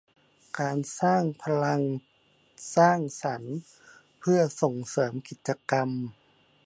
การสร้างพลังสร้างสรรค์เพื่อส่งเสริมกิจกรรม